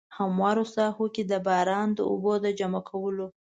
هموارو ساحو کې د باران د اوبو د جمع کولو.